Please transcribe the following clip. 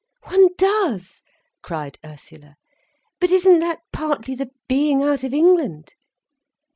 "One does," cried Ursula. "But isn't that partly the being out of England?"